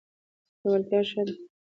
لیوالتیا ښه ده.